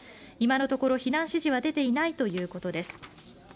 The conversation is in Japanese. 今のところ避難指示は出ていないということです。